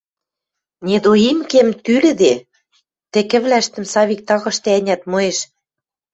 Недоимкем тӱлӹде, – тӹкӹвлӓштӹм Савик тагышты-ӓнят моэш.